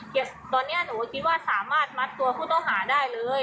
แต่ตอนนี้หนูก็คิดว่าสามารถมัดตัวผู้ต้องหาได้เลย